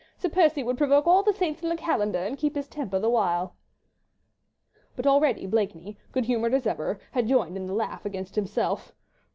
"Sir Percy would provoke all the saints in the calendar and keep his temper the while." But already Blakeney, good humoured as ever, had joined in the laugh against himself.